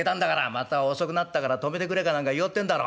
また遅くなったから泊めてくれかなんか言おうってんだろ。